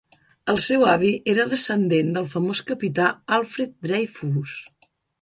El seu avi era descendent del famós capità Alfred Dreyfus.